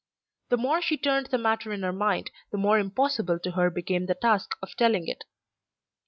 The more she turned the matter in her mind, the more impossible to her became the task of telling it.